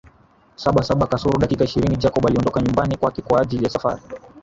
Saa saba kasoro dakika ishirini Jacob aliondoka nyumbani kwake kwaajili ya safari